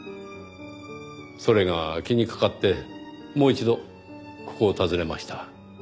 それが気に掛かってもう一度ここを訪ねました。